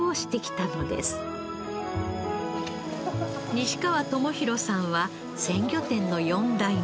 西川朋宏さんは鮮魚店の４代目。